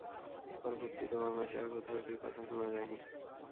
পরবর্তীতে বাংলাদেশের আর কোথাও এটির কথা শোনা যায়নি।